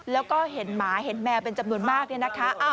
แล้วก็เห็นหมาเห็นแมวเป็นจำนวนมาก